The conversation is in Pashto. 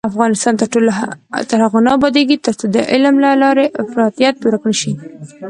افغانستان تر هغو نه ابادیږي، ترڅو د علم له لارې افراطیت ورک نشي.